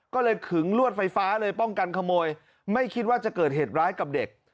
ก็เลยขึงลวดไฟฟ้าเลยป้องกันขโมยไม่คิดว่าจะเกิดเหตุร้ายกับเด็ก